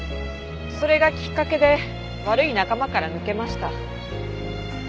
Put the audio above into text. それがきっかけで悪い仲間から抜けました。